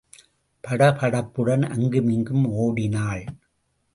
படபடப்புடன் அங்குமிங்கும் ஓடினாள்.